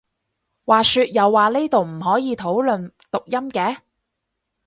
話說又話呢度唔可以討論讀音嘅？